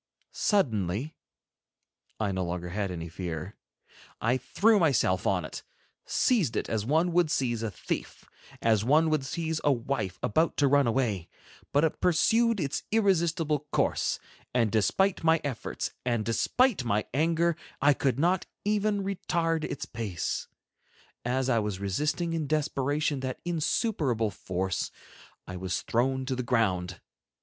Suddenly—I no longer had any fear—I threw myself on it, seized it as one would seize a thief, as one would seize a wife about to run away; but it pursued its irresistible course, and despite my efforts and despite my anger, I could not even retard its pace. As I was resisting in desperation that insuperable force, I was thrown to the ground.